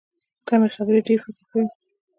کمې خبرې، ډېر فکر کوي.